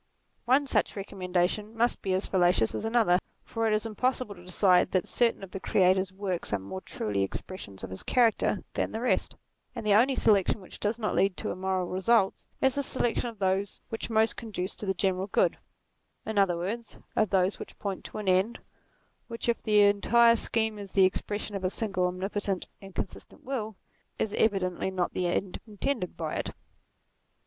One such recommendation must be as fallacious as another, for it is impossible to decide that certain of the Creator's works are more truly expressions of his character than the rest ; and the only selection which does not lead to immoral results, is the selection of those which most conduce to the general good, in other words, of those which point to an end which if the entire scheme is the expression of a single omnipotent and consistent will, is evidently not the end intended by it.